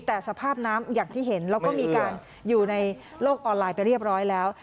แต่สภาพน้ำอย่างที่เห็นแล้วก็มีการอยู่ในโลกออนไลน์ไปเรียบร้อยแล้ว